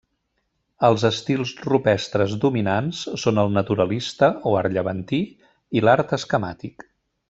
Els estils rupestres dominants són el naturalista, o art llevantí, i l'art esquemàtic.